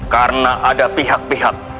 karena ada pihak pihak